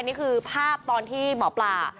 อันนี้คือภาพตรงที่หมอปลา